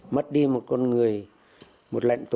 mất đi một con người một lệnh tù